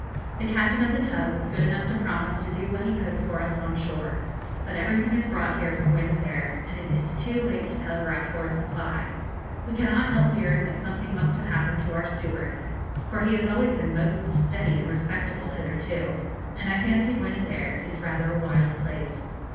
The captain of the tug was good enough to promise to do what he could for us on shore; but everything is brought here from Buenos Ayres, and it is too late to telegraph for a supply. We cannot help fearing that something must have happened to our steward, for he has always been most steady and respectable hitherto, and I fancy Buenos Ayres is rather a wild place.